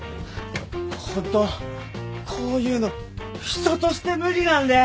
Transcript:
ホントこういうの人として無理なんで！